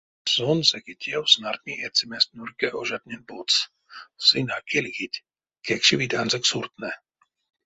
Сон секе тев снартни эцемест нурька ожатнень потс, сынь а кельгить, кекшевить ансяк суртнэ.